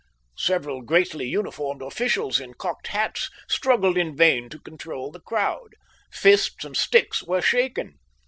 Several greatly uniformed officials in cocked hats struggled in vain to control the crowd. Fists and sticks were shaken.